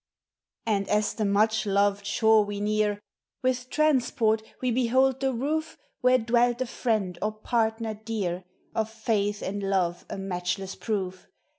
Ami as the much loved shore we near, With transport we behold the roof Where dwelt a friend or partner dear, (M' faith and love a matchless proof.